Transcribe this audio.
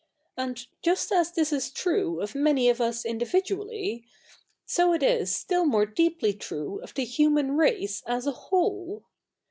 And just as this is true of ma?ty of us individually^ so it is still more deeply true of the human race as a whole.